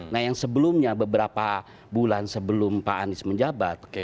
nah yang sebelumnya beberapa bulan sebelum pak anies menjabat